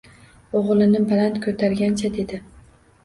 Oʻgʻlini baland koʻtargancha dedi.